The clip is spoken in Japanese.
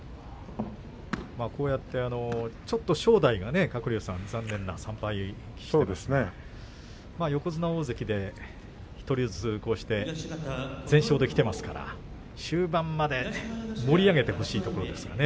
こうやって、ちょっと正代がね残念な３敗ですけれど横綱、大関で１人ずつ全勝で、きていますから終盤まで盛り上げてほしいですね。